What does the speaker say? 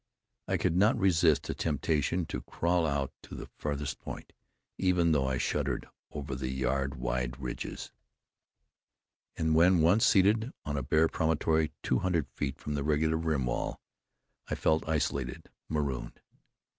I could not resist the temptation to crawl out to the farthest point, even though I shuddered over the yard wide ridges; and when once seated on a bare promontory, two hundred feet from the regular rim wall, I felt isolated, marooned.